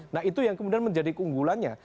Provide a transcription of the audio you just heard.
nah itu yang kemudian menjadi keunggulannya